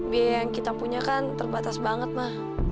biaya yang kita punya kan terbatas banget mah